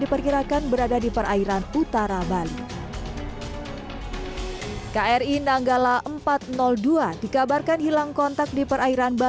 diperkirakan berada di perairan utara bali kri nanggala empat ratus dua dikabarkan hilang kontak di perairan